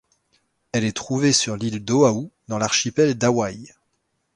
Elle est trouvée sur l'ïle d'Oahu dans l’archipel d'Hawaï.